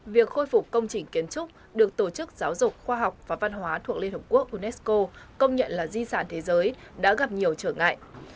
việc khôi phục công trình kiến trúc được tổ chức giáo dục khoa học và văn hóa thuộc liên hợp quốc unesco công nhận là di sản thế giới đã gặp nhiều trở ngại